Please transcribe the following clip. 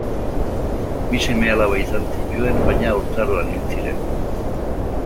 Bi seme-alaba izan zituen, baina haurtzaroan hil ziren.